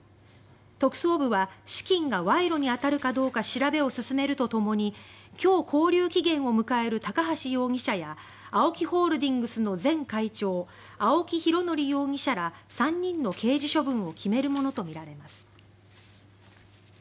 特捜部は資金が賄賂に当たるかどうか調べを進めるとともに今日、勾留期限を迎える高橋容疑者やＡＯＫＩホールディングスの前会長青木拡憲容疑者ら３人の刑事処分を決めるものとみられます。